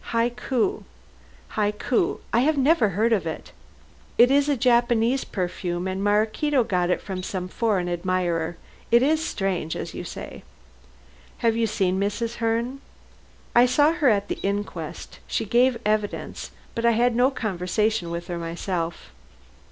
Hikui! Hikui! I never heard of it." "It is a Japanese perfume, and Maraquito got it from some foreign admirer. It is strange, as you say." "Have you seen Mrs. Herne?" "I saw her at the inquest. She gave evidence. But I had no conversation with her myself."